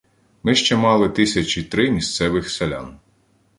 ми ще мали тисячі три місцевих селян.